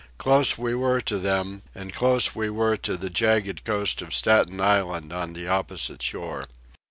Close we were to them, and close we were to the jagged coast of Staten Island on the opposite shore.